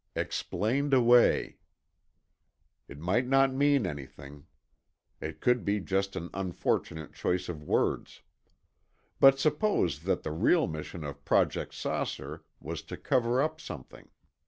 Explained away ... It might not mean anything. It could be just an unfortunate choice of words. But suppose that the real mission of Project "Saucer" was to cover up something.